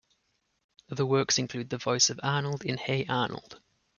Other works include the voice of Arnold in Hey Arnold!